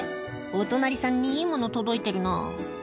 お隣さんにいいもの届いてるな」